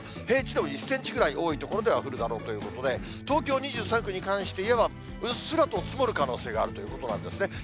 平地でも１センチぐらい、多い所では降るだろうということで、東京２３区に関していえばうっすらと積もる可能性があるということなんですね。